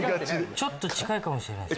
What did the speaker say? ちょっと近いかもしれないです。